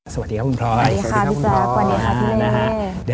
สวัสดีครับคุณพลอยสวัสดีครับคุณพลอยสวัสดีครับพี่แจ็คสวัสดีครับพี่เล